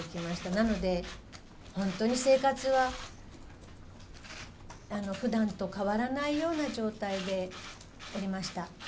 なので、本当に生活はふだんと変わらないような状態でいました。